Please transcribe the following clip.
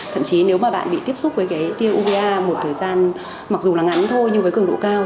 thậm chí nếu mà bạn bị tiếp xúc với cái tiêu uva một thời gian mặc dù là ngắn thôi nhưng với cường độ cao